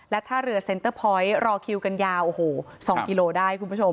ท่าเรือเซ็นเตอร์พอยต์รอคิวกันยาวโอ้โห๒กิโลได้คุณผู้ชม